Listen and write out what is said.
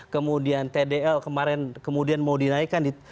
kemudian tdl kemarin kemudian mau dinaikkan